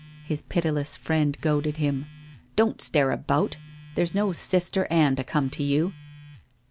hi pitiless friend goaded him. ' Don't tare about. There's no Bister Anne to come to you.